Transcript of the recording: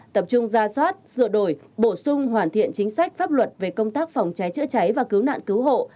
tập trung ra soát sửa đổi bổ sung hoàn thiện chính sách pháp luật về công tác phòng cháy chữa cháy và cứu nạn cứu hộ